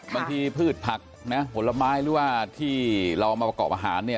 พืชผักนะผลไม้หรือว่าที่เรามาประกอบอาหารเนี่ย